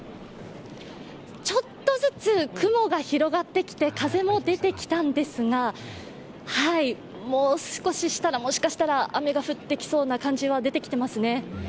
ちょっとずつ雲が広がってきて、風も出てきたんですがもう少ししたらもしかしたら雨が降ってきそうな感じは出てきてますね。